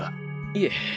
いえ。